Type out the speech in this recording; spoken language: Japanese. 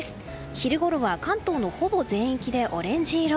昼ごろは関東のほぼ全域でオレンジ色。